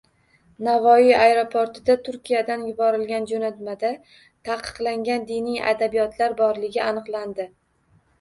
Navoiy aeroportida Turkiyadan yuborilgan jo‘natmada taqiqlangan diniy adabiyotlar borligi aniqlandi